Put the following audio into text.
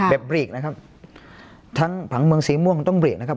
เบรกนะครับทั้งผังเมืองสีม่วงมันต้องเรกนะครับ